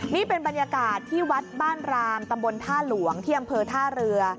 นี่เป็นบรรยากาศที่วัดบ้านรามตำบลท่าหลวงที่อำเภอท่าเรือ